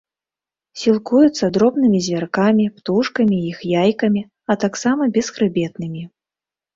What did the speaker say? Сілкуецца дробнымі звяркамі, птушкамі і іх яйкамі, а таксама бесхрыбетнымі.